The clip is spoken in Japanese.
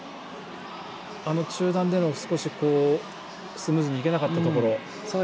中盤での少しスムーズにいけなかったところ。